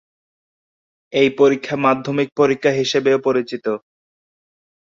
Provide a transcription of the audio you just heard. এই পরীক্ষা মাধ্যমিক পরীক্ষা হিসেবেও পরিচিত।